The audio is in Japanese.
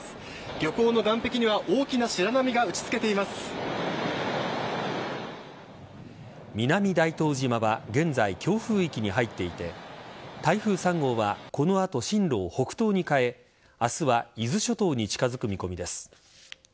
漁港の岸壁には、大きな白波が南大東島は現在強風域に入っていて台風３号はこの後、進路を北東に変え明日は伊豆諸島に近づく見込みです。